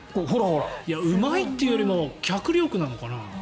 うまいっていうより脚力なのかな。